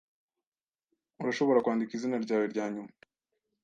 Urashobora kwandika izina ryawe ryanyuma?